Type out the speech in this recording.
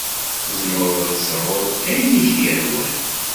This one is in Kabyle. Tzemreḍ ad tesɛuḍ ayen i k-yehwan.